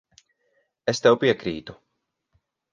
Es tev piekrītu.